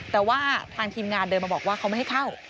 แต่ว่าทางทีมงานเดินมาบอกว่าเขาไม่ให้เข้า